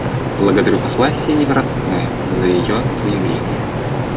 Благодарю посла Сеневиратне за ее заявление.